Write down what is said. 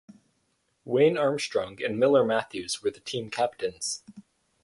Wayne Armstrong and Miller Matthews were the team captains.